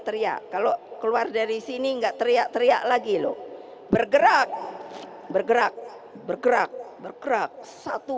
teriak kalau keluar dari sini enggak teriak teriak lagi loh bergerak bergerak satu